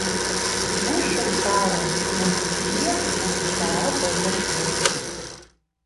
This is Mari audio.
Вуж шокталын ончычем, мучыштара полдышем.